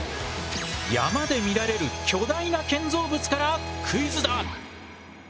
山で見られる巨大な建造物からクイズだ！